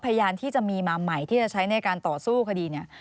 พยานที่จะมีมาใหม่ที่จะใช้ในการต่อสู้คดีเนี่ย